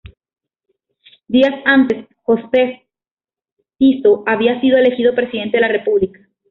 Días antes Jozef Tiso había sido elegido presidente de la república.